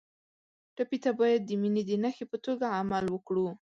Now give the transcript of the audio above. ټپي ته باید د مینې د نښې په توګه عمل وکړو.